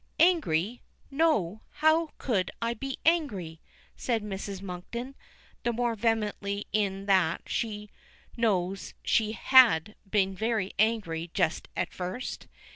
"Angry! No, how could I be angry?" says Mrs. Monkton, the more vehemently in that she knows she had been very angry just at first.